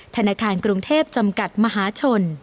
ธนาคารกรุงเทพจำกัดมหาชน